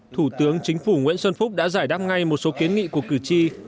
thủ tướng chính phủ nguyễn xuân phúc đã giải đáp ngay một số kiến nghị của cử tri